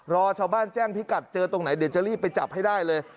รอชาวบ้านแจ้งพิกัดเจอตรงไหนเดี๋ยวจะรีบไปจับให้ได้เลย